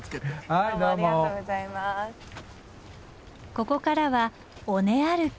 ここからは尾根歩き。